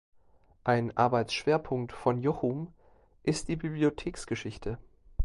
Ein Arbeitsschwerpunkt von Jochum ist die Bibliotheksgeschichte.